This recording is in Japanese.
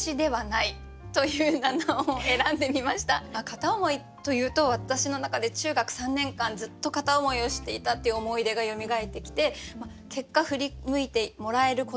「片思い」というと私の中で中学３年間ずっと片思いをしていたっていう思い出がよみがえってきて結果振り向いてもらえることがなかった。